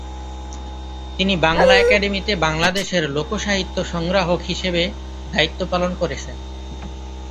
তিনি বাংলা একাডেমীতে বাংলাদেশের লোক সাহিত্য সংগ্রাহক হিসেবে দায়িত্ব পালন করেছেন।